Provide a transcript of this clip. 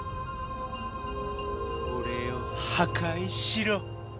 俺を破壊しろ。